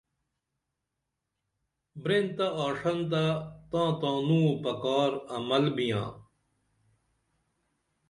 برین تہ آݜنہ تاں تانوں پکار عمل بیاں